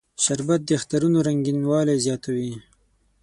شربت د اخترونو رنگینوالی زیاتوي